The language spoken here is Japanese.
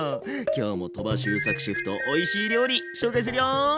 今日も鳥羽周作シェフとおいしい料理紹介するよ！